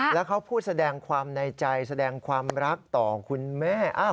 แล้วเขาพูดแสดงความในใจแสดงความรักต่อคุณแม่